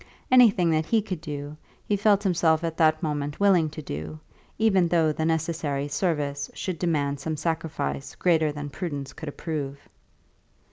Anything that he could do, he felt himself at that moment willing to do, even though the necessary service should demand some sacrifice greater than prudence could approve.